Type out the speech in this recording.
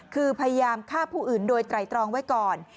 คือพยายามฆ่าผู้อื่นโดยไตรตรองไว้ก่อน